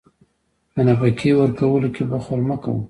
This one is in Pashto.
د نفقې ورکولو کې بخل مه کوه.